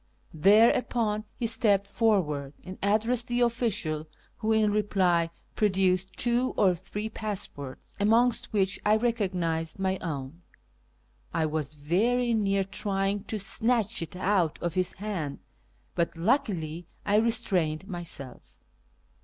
Thereupon he stepped forward and addressed the official, who in reply produced two or three passports, amongst which I recognised my own. I was very near trying to snatch it out of his hand, but luckily I re strained myself.